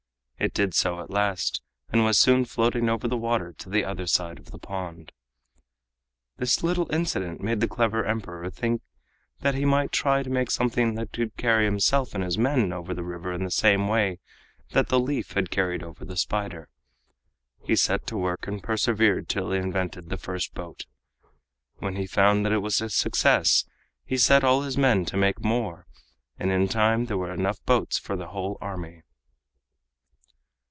It did so at last, and was soon floating over the water to the other side of the pond. This little incident made the clever Emperor think that he might try to make something that could carry himself and his men over the river in the same way that the leaf had carried over the spider. He set to work and persevered till he invented the first boat. When he found that it was a success he set all his men to make more, and in time there were enough boats for the whole army.